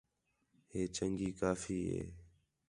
ہے چنڳی کافی ہے